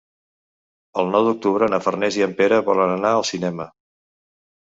El nou d'octubre na Farners i en Pere volen anar al cinema.